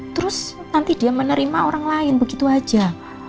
terus nanti dia menerima orang lain begitu saja